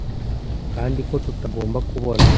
Kandi ko tutagomba kubona